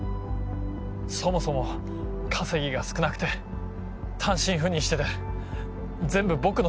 そもそも稼ぎが少なくて単身赴任してて全部僕のせい。